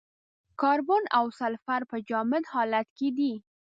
کاربن او سلفر په جامد حالت کې دي.